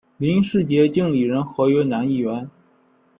林师杰经理人合约男艺员。